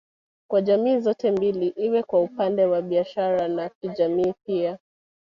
Kwa jamii zote mbili iwe kwa upande wa biashara na kijamii pia